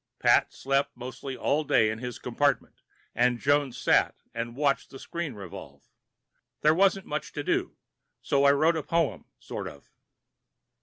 Pat slept mostly all day in his compartment, and Jones sat and watched the screen revolve. There wasn't much to do, so I wrote a poem, sort of.